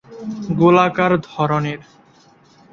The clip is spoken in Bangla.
গোলাকার ধরনের।